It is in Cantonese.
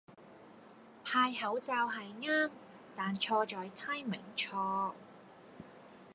派口罩係啱,但錯在 timing 錯